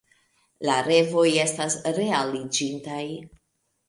La revoj estas realiĝintaj.